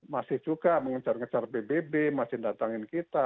masih juga mengejar ngejar pbb masih datangin kita